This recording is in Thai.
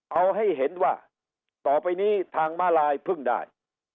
เอาให้เห็นว่าต่อไปนี้ทางมาลายพึ่งได้